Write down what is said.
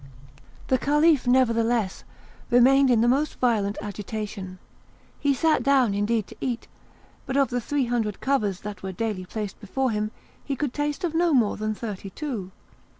The Caliph, nevertheless, remained in the most violent agitation; he sat down indeed to eat, but of the three hundred covers that were daily placed before him could taste of no more than thirty two.